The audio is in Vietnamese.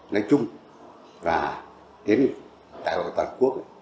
nói chung đến đại hội toàn quốc